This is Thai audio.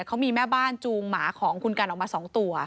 เขามีแม่บ้านจูงหมาของคุณกันออกมา๒ตัว